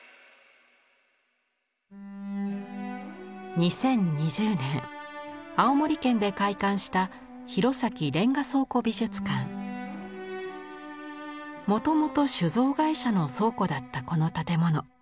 ２０２０年青森県で開館したもともと酒造会社の倉庫だったこの建物。